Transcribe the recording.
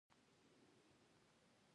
کار مې احمد ته ور له غاړې کړ او زه راغلم.